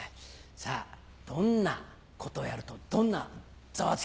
どんなことをやるとどんなざわつきがあるのか？